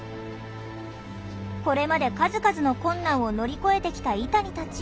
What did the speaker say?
これまで数々の困難を乗り越えてきたイタニたち。